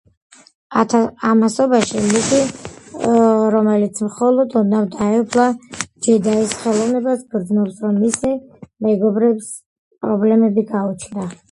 ამასობაში ლუკი, რომელიც მხოლოდ ოდნავ დაეუფლა ჯედაის ხელოვნებას, გრძნობს, რომ მისი მეგობრებს პრობლემები გაუჩნდა.